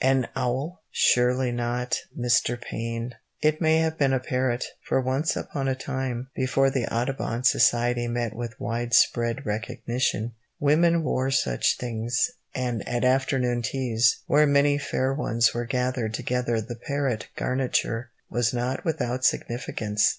An owl! Surely not, Mr. Payne! It may have been a parrot, for once upon a time, before the Audubon Society met with widespread recognition, women wore such things, and at afternoon teas where many fair ones were gathered together the parrot garniture was not without significance.